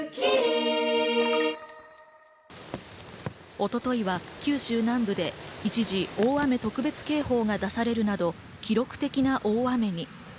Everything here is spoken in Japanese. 一昨日は九州南部で一時、大雨特別警報が出されるなど記録的な大雨に。